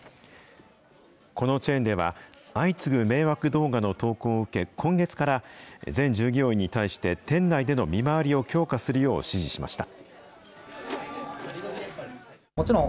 このチェーンでは、相次ぐ迷惑動画の投稿を受け、今月から全従業員に対して、店内での見回りを強化するよう指示しました。